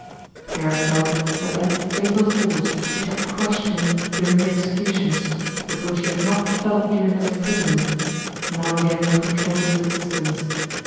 Pierre felt that that fatal force which had crushed him during the executions, but which he had not felt during his imprisonment, now again controlled his existence.